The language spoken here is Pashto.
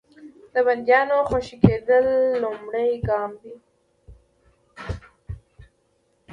د بندیانو خوشي کېدل لومړی ګام دی.